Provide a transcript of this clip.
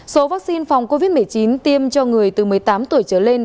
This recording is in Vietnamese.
số vaccine phòng covid một mươi chín tiêm cho người từ một mươi tám tuổi trở lên